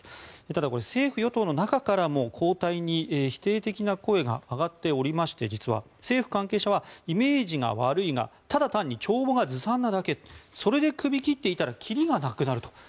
ただ、政府・与党の中からも交代に否定的な声が実は上がっておりまして政府関係者は、イメージが悪いがただ単に帳簿がずさんなだけそれでクビ切っていたらきりがなくなると。